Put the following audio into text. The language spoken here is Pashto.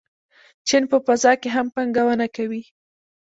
چین په فضا کې هم پانګونه کوي.